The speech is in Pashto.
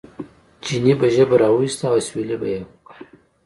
چیني به ژبه را وویسته او اسوېلی به یې وکړ.